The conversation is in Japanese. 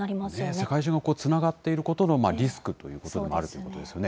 世界中がつながっていることのリスクということでもあるということですね。